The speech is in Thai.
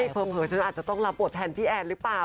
เผลอฉันอาจจะต้องรับบทแทนพี่แอนหรือเปล่า